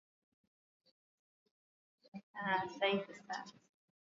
Kweli ku kosa ma adibisho wanawake awa wezi kujuwa haki yabo